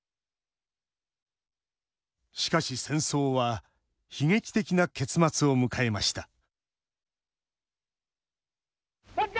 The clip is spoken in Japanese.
しかし戦争は悲劇的な結末を迎えました万歳！